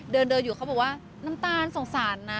เดินอยู่เขาบอกว่าน้ำตาลสงสารนะ